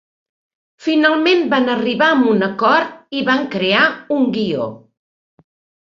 Finalment, van arribar a un acord i van crear un guió.